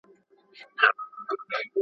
د ساړه ژمي شپې ظالمي توري.